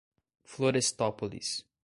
Florestópolis